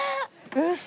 ウソ！